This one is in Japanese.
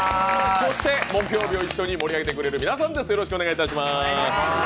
そして木曜日を一緒に盛り上げてくれる皆さんです。